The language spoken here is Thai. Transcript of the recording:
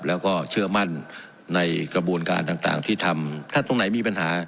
แล้วก็เชื่อมั่นในกระบวนการต่างต่างที่ทำถ้าตรงไหนมีปัญหา